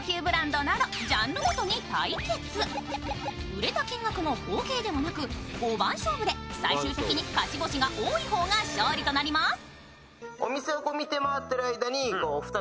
売れた金額の合計ではなく五番勝負で最終的に勝ち星が多い方が勝利となります。